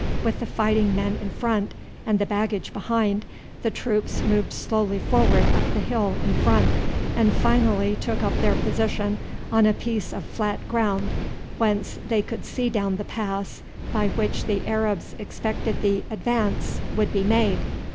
With the fighting men in front and the baggage behind, the troops moved slowly forward up the hill in front, and finally took up their position on a piece of flat ground whence they could see down the pass by which the Arabs expected the advance would be made.